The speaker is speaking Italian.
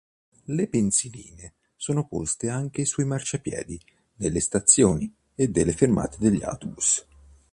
Le pensiline sono poste anche sui marciapiedi delle stazioni e delle fermate degli autobus.